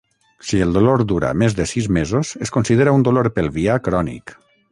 Si el dolor dura més de sis mesos, es considera un dolor pelvià crònic.